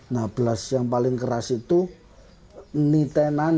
nah beras yang paling keras itu ni tenane